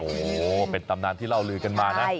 โอ้โหเป็นตำนานที่เล่าลือกันมานะ